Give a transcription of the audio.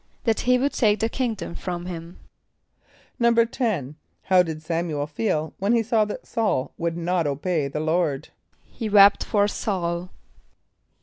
=That he would take the kingdom from him.= =10.= How did S[)a]m´u el feel when he saw that S[a:]ul would not obey the Lord? =He wept for S[a:]ul.